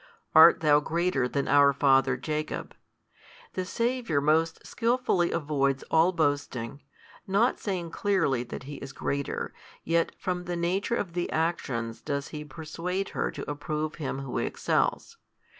Art Thou greater than our father Jacob; the Saviour most skilfully avoids all boasting, not saying clearly that He is greater, yet from the nature of the actions does He persuade her to approve Him who excels.